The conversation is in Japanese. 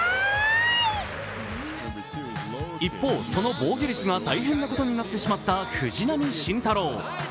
一方、その防御率が大変なことになってしまった藤浪晋太郎。